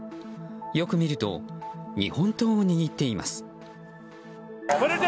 よく見ると日本刀を握っています。